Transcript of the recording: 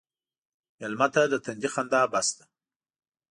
مېلمه ته د تندي خندا بس ده.